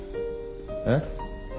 えっ？